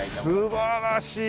素晴らしい！